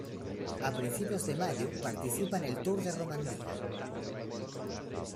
A principios de mayo, participa en el Tour de Romandía.